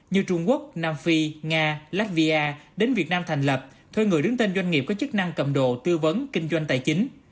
như trung quốc nam phi nga latvia đến việt nam thành lập thuê người đứng tên doanh nghiệp có chức năng cầm đồ tư vấn kinh doanh tài chính